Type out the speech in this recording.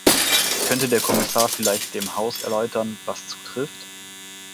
Könnte der Kommissar vielleicht dem Haus erläutern, was zutrifft?